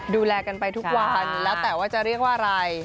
ดูแลกันไปทุกวันแล้วแต่ว่าจะเรียกว่าอะไร